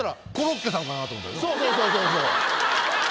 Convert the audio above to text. そうそうそうそうそう。